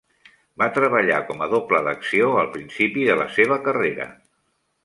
Va treballar com a doble d'acció al principi de la seva carrera.